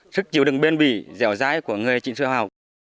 sức chịu đựng bên bỉ dẻo dai của người trịnh sưu học